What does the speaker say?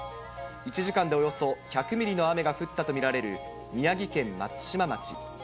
１時間でおよそ１００ミリの雨が降ったと見られる宮城県松島町。